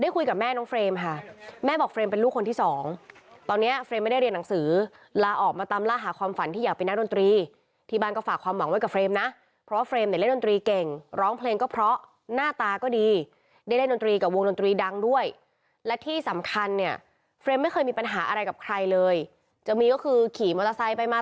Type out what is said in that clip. คือพ่อกับแม่ก็เกาะขอบลงอะคือเอาจริงนะ